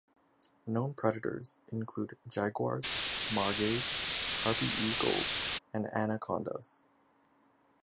Known predators include jaguars, margays, harpy eagles, and anacondas.